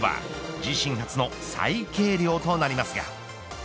自身初の再計量となりますが。